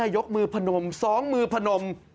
ยกมือพนมซ้องมือพนม